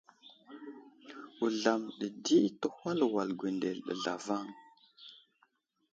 Wuzlam ɗi di təhwal wal gwendele ɗi zlavaŋ.